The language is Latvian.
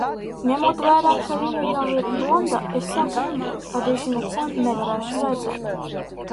Ņemot vērā, ka viņa jau ir blonda, es saku, ka diži neko nevarēšu redzēt.